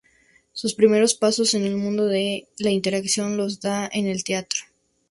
Sus primeros pasos en el mundo de la interpretación los da en el teatro.